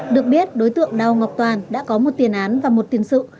được biết đối tượng đào ngọc toàn đã có một tiền án và một tiền sự